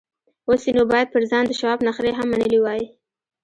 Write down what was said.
اوس يې نو بايد پر ځان د شواب نخرې هم منلې وای.